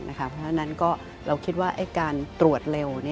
เพราะฉะนั้นเราคิดว่าการตรวจเร็ว